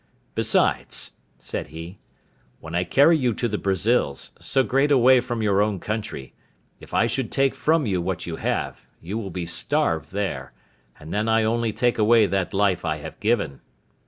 Besides," said he, "when I carry you to the Brazils, so great a way from your own country, if I should take from you what you have, you will be starved there, and then I only take away that life I have given.